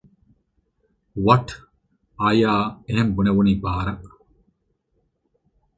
ވަޓް؟ އާޔާ އަށް އެހެން ބުނެވުނީ ބާރަކަށް